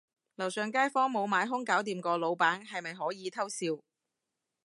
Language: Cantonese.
樓上街坊無買兇搞掂個老闆，係咪可以偷笑